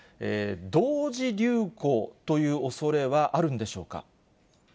同時流行というおそれはあるんでしょうか。